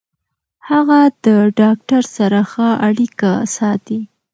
هغه د ډاکټر سره ښه اړیکه ساتي.